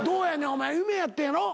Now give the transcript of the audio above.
お前夢やってんやろ？